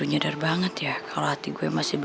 udah coba bikin kita damai lah